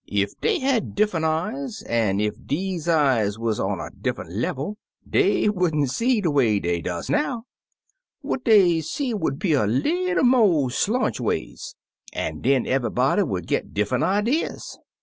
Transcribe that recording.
Ef dey had diffunt eyes, an' ef deze eyes wuz on a diffunt level, dey would n't see de way dey does now; what dey see would be a little mo' slonchways, an' den eve'ybody would git diffunt idees.